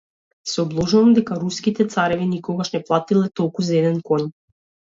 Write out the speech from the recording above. Се обложувам дека Руските цареви никогаш не платиле толку за еден коњ.